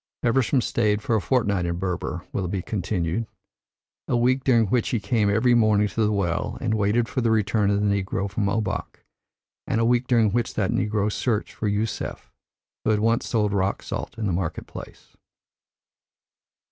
"Feversham stayed for a fortnight in Berber," Willoughby continued. "A week during which he came every morning to the well and waited for the return of his negro from Obak, and a week during which that negro searched for Yusef, who had once sold rock salt in the market place.